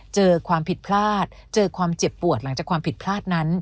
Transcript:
เจอความผิดพลาดเจอความเจ็บปวดหลังจากความผิดพลาดนั้น